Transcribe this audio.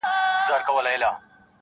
• بس یا مو سېل یا مو توپان ولیدی -